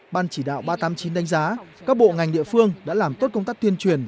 ban chỉ đạo ba trăm tám mươi chín đánh giá các bộ ngành địa phương đã làm tốt công tác tuyên truyền